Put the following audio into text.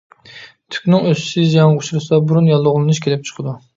تۈكنىڭ ئۆسۈشى زىيانغا ئۇچرىسا بۇرۇن ياللۇغلىنىش كېلىپ چىقىدۇ.